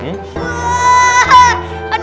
hadiahnya apa ustadz